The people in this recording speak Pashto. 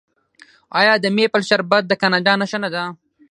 آیا د میپل شربت د کاناډا نښه نه ده؟